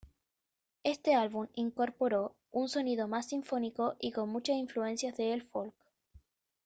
Este álbum incorporó un sonido más sinfónico y con muchas influencias de el folk.